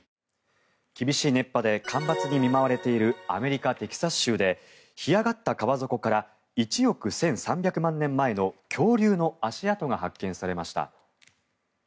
厳しい熱波で干ばつに見舞われているアメリカ・テキサス州で干上がった川底から１億１３００万年前の恐竜の足跡が発見されました。